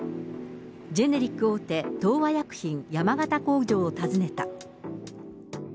ジェネリック大手、東和薬品山形工場を訪ねた。